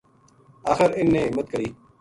آخر اِنھ نے ہمت کری